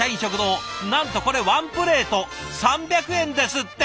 なんとこれワンプレート３００円ですって！